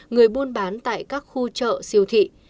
người buôn bán tại các khu chợ siêu thị